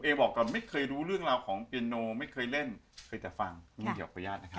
ตรงผมเอบอกก่อนไม่เคยรู้เรื่องราวของปีโนไม่เคยเล่นเคยแต่ฟังคุณหนุ่มเดี๋ยวประยาศนะครับ